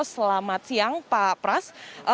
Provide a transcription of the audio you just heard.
selamat siang pak pras